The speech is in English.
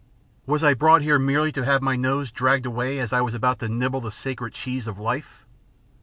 Was I brought here merely to have my nose dragged away as I was about to nibble the sacred cheese of life?